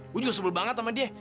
gue juga sebel banget sama dia